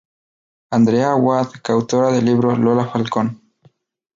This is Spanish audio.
Andrea Aguad coautora del libro "Lola Falcón.